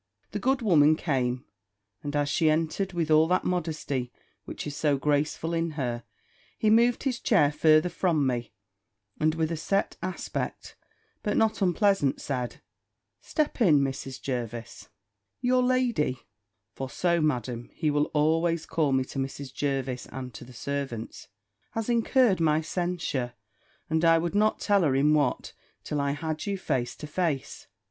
The good woman came; and as she entered with all that modesty which is so graceful in her, he moved his chair further from me, and, with a set aspect, but not unpleasant, said, "Step in, Mrs. Jervis: your lady" (for so, Madam, he will always call me to Mrs. Jervis, and to the servants) "has incurred my censure, and I would not tell her in what, till I had you face to face."